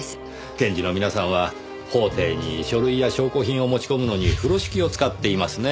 検事の皆さんは法廷に書類や証拠品を持ち込むのに風呂敷を使っていますね。